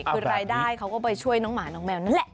คือรายได้เขาก็ไปช่วยน้องหมาน้องแมวนั่นแหละ